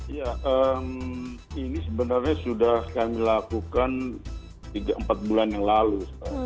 ya ini sebenarnya sudah kami lakukan empat bulan yang lalu